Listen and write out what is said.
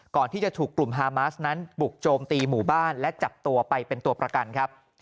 ก่อนที่จะถูกกลุ่มฮามาสนั้นบุกโจมตีหมู่บ้านและจับตัวไปเป็นตัวประกันครับ